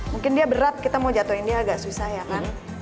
mungkin dia berat kita mau jatuhin dia agak susah ya kan